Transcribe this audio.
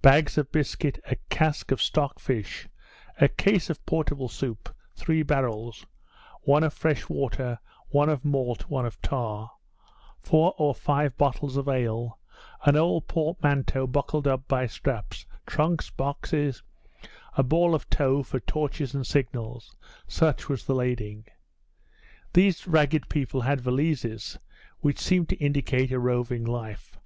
Bags of biscuit, a cask of stock fish, a case of portable soup, three barrels one of fresh water, one of malt, one of tar four or five bottles of ale, an old portmanteau buckled up by straps, trunks, boxes, a ball of tow for torches and signals such was the lading. These ragged people had valises, which seemed to indicate a roving life.